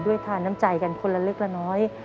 ทานน้ำใจกันคนละเล็กละน้อย